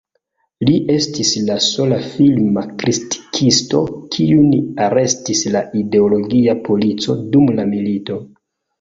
Li estis la sola filma kritikisto, kiun arestis la ideologia polico dum la milito.